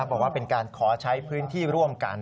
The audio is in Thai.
บอกว่าเป็นการขอใช้พื้นที่ร่วมกัน